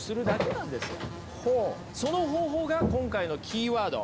その方法が今回のキーワード